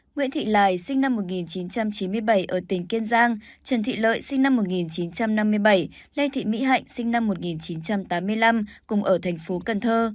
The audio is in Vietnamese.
nguyễn thị lài sinh năm một nghìn chín trăm chín mươi bảy ở tỉnh kiên giang trần thị lợi sinh năm một nghìn chín trăm năm mươi bảy lê thị mỹ hạnh sinh năm một nghìn chín trăm tám mươi năm cùng ở thành phố cần thơ